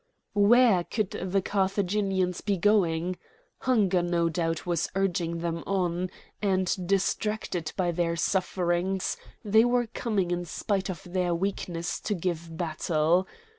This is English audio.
Where could the Carthaginians be going? Hunger, no doubt, was urging them on; and, distracted by their sufferings, they were coming in spite of their weakness to give battle.